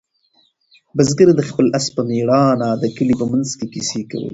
بزګر د خپل آس په مېړانه د کلي په منځ کې کیسې کولې.